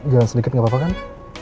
jalan sedikit gak apa apa kan